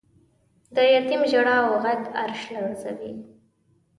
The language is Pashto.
د یتیم ژړا او غږ عرش لړزوی.